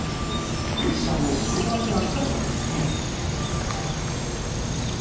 小雪さんもご相伴にあずかるわけですね。